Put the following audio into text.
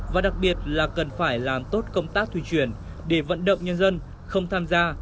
và đặc biệt là cần phải làm tốt công tác tuyên truyền để vận động nhân dân không tham gia